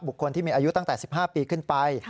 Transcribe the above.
คนที่มีอายุตั้งแต่๑๕ปีขึ้นไป